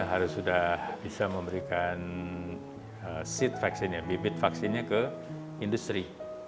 kita harus sudah bisa memberikan seed vaksinnya bibit vaksinnya ke industri